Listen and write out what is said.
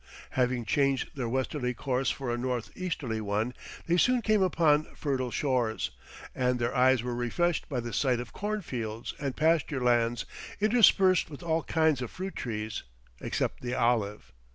] Having changed their westerly course for a north easterly one, they soon came upon fertile shores, and their eyes were refreshed by the sight of corn fields and pasture lands, interspersed with all kinds of fruit trees except the olive.